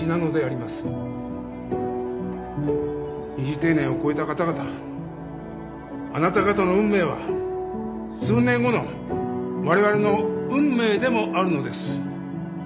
二次定年を超えた方々あなた方の運命は、数年後のわれわれの運命でもあるのです。